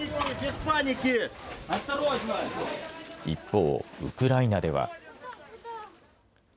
一方、ウクライナでは。